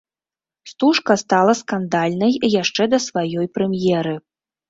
Стужка стала скандальнай яшчэ да сваёй прэм'еры.